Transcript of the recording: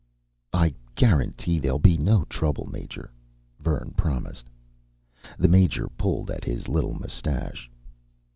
"I guarantee there'll be no trouble, Major," Vern promised. The Major pulled at his little mustache.